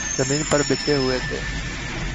زمین پر بچھے ہوئے تھے۔